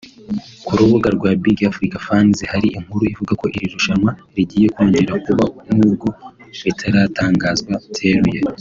Ku rubuga rwa Big Africa Fans hari inkuru ivuga ko iri rushanwa rigiye kongera kuba nubwo bitaratangazwa byeruye